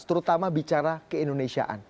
terutama bicara keindonesiaan